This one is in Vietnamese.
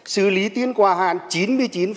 xử lý tin quá hạn chín mươi chín bảy